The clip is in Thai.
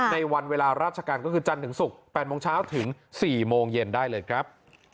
ในวันเวลาราชการก็คือจันทร์ถึงศุกร์๘โมงเช้าถึง๔โมงเย็นได้เลยครับ